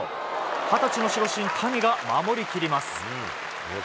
二十歳の守護神・谷が守りきります。